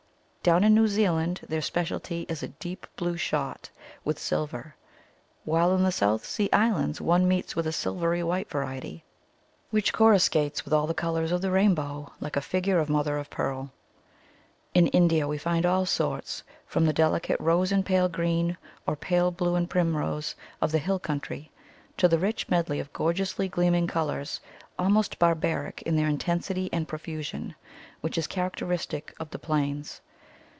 Down in New Zealand their speciality is a deep blue shot with sil ver, while in the South Sea Islands one meets with a silvery white variety, which coruscates with all the colours of the rain bow, like a figure of mother of pearl. *'In India we find all sorts, from the deli cate rose and pale green, or pale blue and primrose of the hill coimtry to the rich med ley of gorgeously gleaming colours, almost barbaric in their intensity and profusion, which is characteristic of the plains.